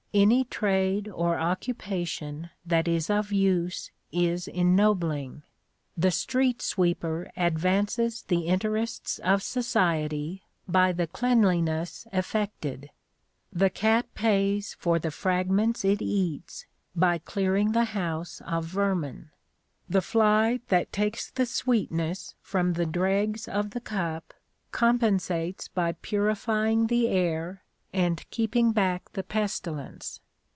Any trade or occupation that is of use is ennobling. The street sweeper advances the interests of society by the cleanliness effected. The cat pays for the fragments it eats by clearing the house of vermin. The fly that takes the sweetness from the dregs of the cup compensates by purifying the air and keeping back the pestilence.